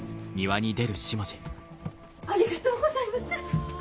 ありがとうございます！